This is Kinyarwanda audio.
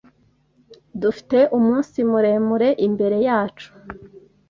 Dufite umunsi muremure imbere yacu.